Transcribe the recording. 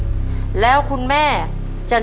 ขอเชิญแม่จำรูนขึ้นมาต่อชีวิต